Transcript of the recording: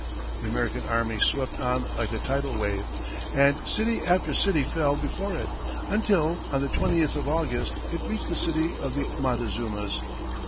The American army swept on like a tidal wave, and city after city fell before it, until, on the twentieth of August, it reached the city of the Montezumas.